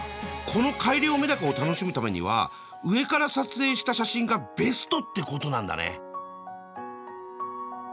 この改良メダカを楽しむためには上から撮影した写真がベストってことなんだね。